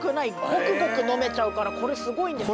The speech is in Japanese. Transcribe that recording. ゴクゴク飲めちゃうからこれすごいんですよ。